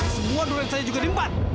semua durian saya juga dimpan